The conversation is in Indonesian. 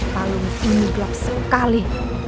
palung ini gelap sekali